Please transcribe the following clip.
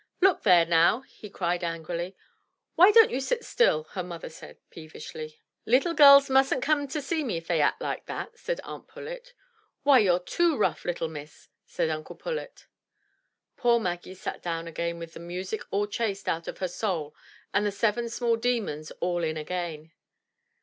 "Look there now!" he cried angrily. "Why don't you sit still?" her mother said peevishly. 232 THE TREASURE CHEST "Little gells mustn't come to see me if they act like that," said Aunt Pullet. "Why, you're too rough, little miss,*' said Uncle Pullet. Poor Maggie sat down again with the music all chased out of her soul and the seven small demons all in again.